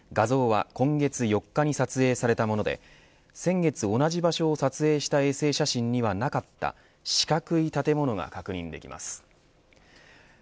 画像は今月４日に撮影されたもので先日同じ場所を撮影した衛星写真にはなかった四角い建物が確認できます。